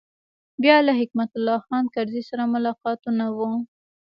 بیا له حکمت الله خان کرزي سره ملاقاتونه و.